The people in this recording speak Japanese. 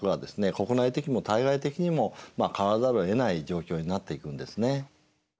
国内的にも対外的にも変わらざるをえない状況になっていくんですね。